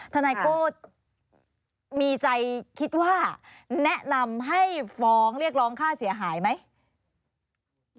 ทนายโก้มีใจคิดว่าแนะนำให้ฟ้องเรียกร้องค่าเสียหายไหม